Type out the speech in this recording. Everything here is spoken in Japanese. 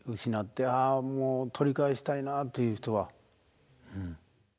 失ってあもう取り返したいなっていう人は。